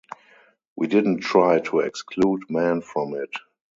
We didn't try to exclude men from it.